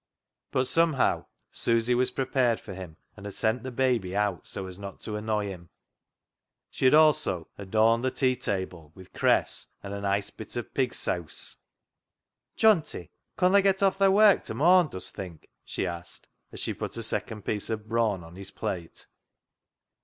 But somehow Susy was prepared for him, and had sent the baby out so as not to annoy him. She had also adorned the tea table with cress, and a nice bit of pig seause (brawn). " Johnty, con tha get off thy wark to morn, dust think ?" she asked, as she put a second piece of brawn on his plate.